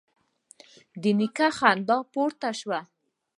د نيکه خندا پورته شوه: